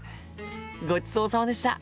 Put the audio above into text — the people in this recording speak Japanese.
ごちそうさまでした。